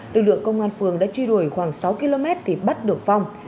lực lượng công an phường đã truy đuổi khoảng sáu km thì bắt được phong